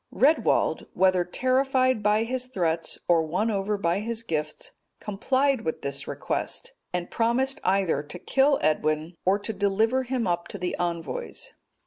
Redwald, whether terrified by his threats, or won over by his gifts, complied with this request, and promised either to kill Edwin, or to deliver him up to the envoys.